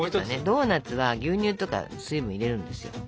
ドーナツは牛乳とか水分を入れるんですよ。